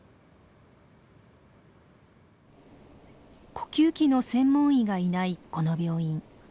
呼吸器の専門医がいないこの病院。